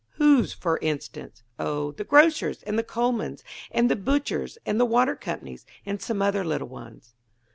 "Whose, for instance?" "Oh, the grocer's and the coal man's and the butcher's and the water company's, and some other little ones."